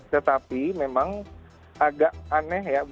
tetapi memang agak aneh ya